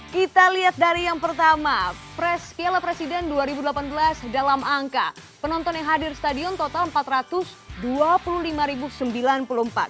kita lihat dari yang pertama press piala presiden dua ribu delapan belas dalam angka penonton yang hadir stadion total empat ratus dua puluh lima sembilan puluh empat